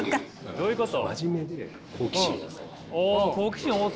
どういうこと？